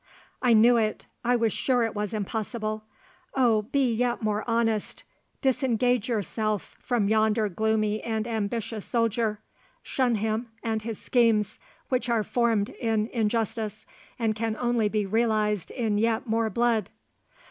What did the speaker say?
"I knew it—I was sure it was impossible. Oh, be yet more honest; disengage yourself from yonder gloomy and ambitious soldier! Shun him and his schemes, which are formed in injustice, and can only be realized in yet more blood!"